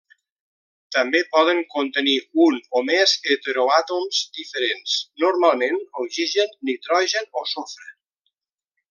També poden contenir un o més heteroàtoms diferents, normalment oxigen, nitrogen o sofre.